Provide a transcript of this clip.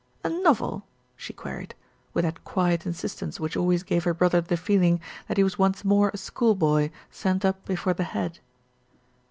"A novel?" she queried, with that quiet insistence which always gave her brother the feeling that he was once more a schoolboy, sent up before "the Head."